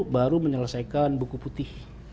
baru menyelesaikan buku putih